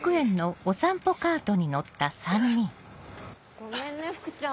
ごめんね福ちゃん